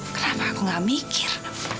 kenapa aku gak mikir